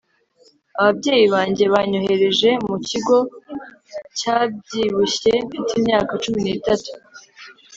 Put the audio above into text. Ababyeyi banjye banyohereje mu kigo cyabyibushye mfite imyaka cumi nitatu